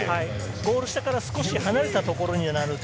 ゴール下から少し離れたところになると。